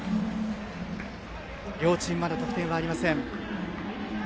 両チーム、まだ得点がありません。